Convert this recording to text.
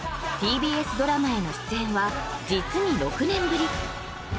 ＴＢＳドラマへの出演は実に６年ぶり